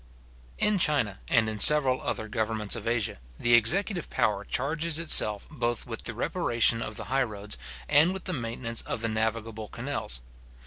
In China, and in several other governments of Asia, the executive power charges itself both with the reparation of the high roads, and with the maintenance of the navigable canals.